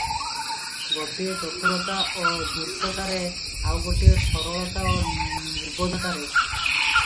ଗୋଟିଏ ଚତୁରତା ଓ ଧୂର୍ତ୍ତତାରେ, ଆଉ ଗୋଟିଏ ସରଳତା ଓ ନିର୍ବୋଧତାରେ ।